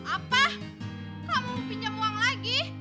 apa kamu pinjam uang lagi